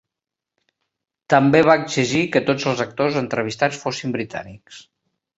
També va exigir que tots els actors entrevistats fossin britànics.